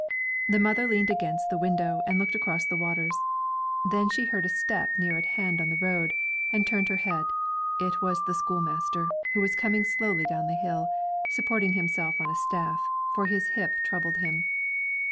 The mother leaned against the window and looked across the waters; then she heard a step near at hand on the road, and turned her head. It was the school master, who was coming slowly down the hill, supporting himself on a staff, for his hip troubled him.